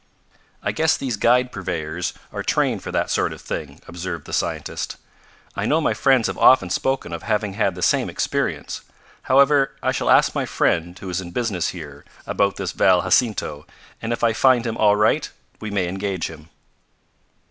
"I guess these guide purveyors are trained for that sort of thing," observed the scientist. "I know my friends have often spoken of having had the same experience. However, I shall ask my friend, who is in business here, about this Val Jacinto, and if I find him all right we may engage him."